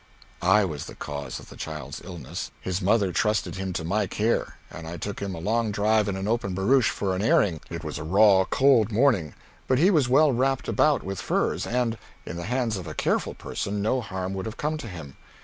I was the cause of the child's illness. His mother trusted him to my care and I took him a long drive in an open barouche for an airing. It was a raw, cold morning, but he was well wrapped about with furs and, in the hands of a careful person, no harm would have come to him.